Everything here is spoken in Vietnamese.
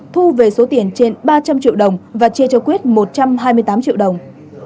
thu về số tiền trên ba trăm linh triệu đồng và chia cho quyết một trăm hai mươi tám triệu đồng